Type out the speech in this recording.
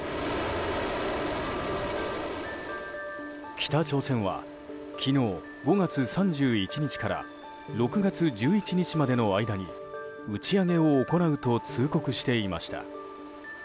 北朝鮮は昨日５月３１日から６月１１日までの間に打ち上げを行うと通告していました。